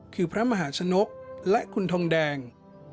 คือพระมหาชนกและคุณทองแดง